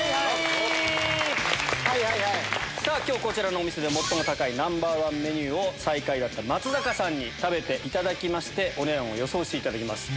今日こちらのお店で最も高いＮｏ．１メニューを最下位だった松坂さんに食べていただきましてお値段を予想していただきます。